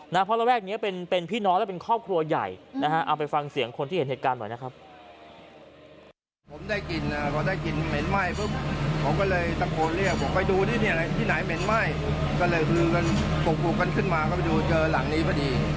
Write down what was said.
เพราะระแวกนี้เป็นพี่น้องและเป็นครอบครัวใหญ่นะฮะเอาไปฟังเสียงคนที่เห็นเหตุการณ์หน่อยนะครับ